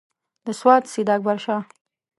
د سوات سیداکبرشاه.